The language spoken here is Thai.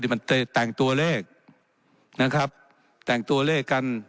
ที่มันแต่งตัวเลขกัน